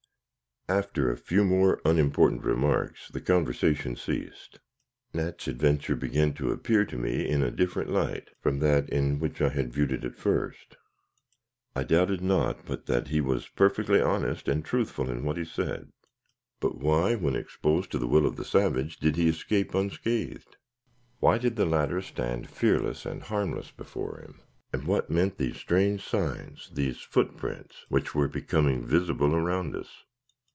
After a few more unimportant remarks, the conversation ceased. Nat's adventure began to appear to me in a different light from that in which I had viewed it at first. I doubted not but that he was perfectly honest and truthful in what he said. But why, when exposed to the will of the savage, did he escape unscathed? Why did the latter stand fearless and harmless before him? And what meant these strange signs, these "footprints," which were becoming visible around us?